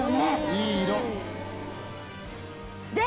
いい色。